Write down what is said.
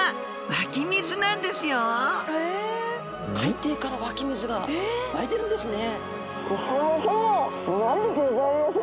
スタジオ海底から湧き水が湧いてるんですね。